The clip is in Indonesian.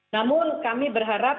namun kami berharap